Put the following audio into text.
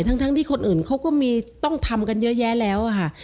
ทั้งที่คนอื่นเขาก็ต้องทำกันเยอะแยะแล้วค่ะ